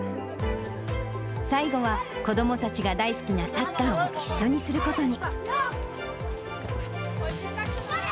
最後は、子どもたちが大好きなサッカーを一緒にすることに。